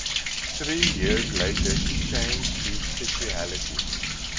Three years later he changed his specialty.